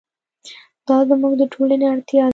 دا زموږ د ټولنې اړتیا ده.